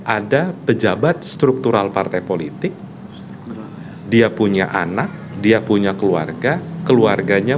ada pejabat struktural partai politik dia punya anak dia punya keluarga keluarganya